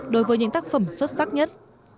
đối với những tác phẩm xuất sắc nhất